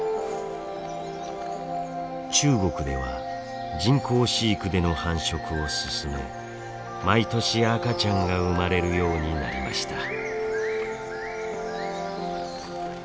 中国では人工飼育での繁殖を進め毎年赤ちゃんが生まれるようになりました。